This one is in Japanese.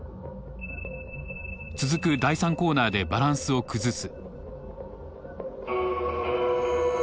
続く第３コーナーでバランスを崩す。